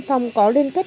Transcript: không hề biết luôn